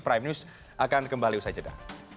prime news akan kembali usai jeda